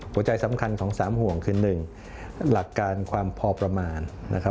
หัวใจสำคัญของ๓ห่วงคือ๑หลักการความพอประมาณนะครับ